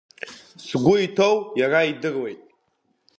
Сгәы иҭоу иара идыруеит.